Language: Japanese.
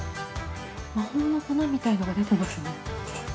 ◆魔法の粉みたいなのが出てますね。